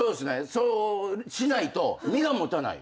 そうしないと身が持たない。